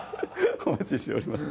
お待ちしております